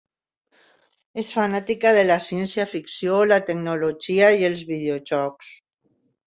És fanàtica de la ciència-ficció, la tecnologia i els videojocs.